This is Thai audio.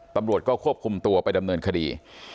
ตำรวจก็ควบคุมตัวไปดำเนินคดี